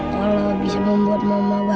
kalau bisa membuat mama bahagia